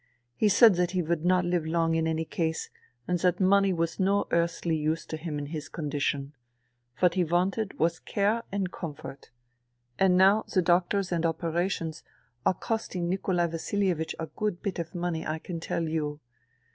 He said that he would not live long in any case and that money was no earthly use to him in his condition : what he wanted was care and comfort. And now the doctors and operations are costing Nikolai Vasilievich a good bit of money, I can tell you.